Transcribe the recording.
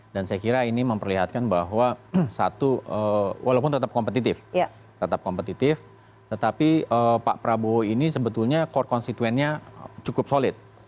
dan saya kira ini memperlihatkan bahwa walaupun tetap kompetitif tetapi pak prabowo ini sebetulnya core constituentnya cukup solid